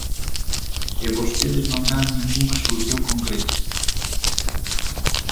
E vostedes non dan ningunha solución concreta.